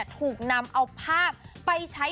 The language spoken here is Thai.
ถูกนำเอาภาพไปใช้